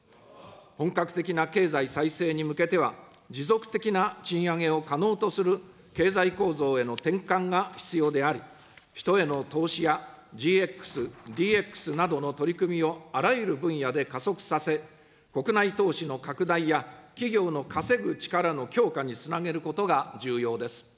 本格的な経済再生に向けては、持続的な賃上げを可能とする経済構造への転換が必要であり、人への投資や、ＧＸ、ＤＸなどの取り組みをあらゆる分野で加速させ、国内投資の拡大や、企業の稼ぐ力の強化につなげることが重要です。